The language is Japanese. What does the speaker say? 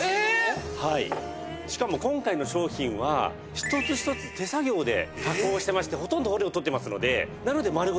しかも今回の商品は一つ一つ手作業で加工してましてほとんど骨を取ってますのでなので丸ごと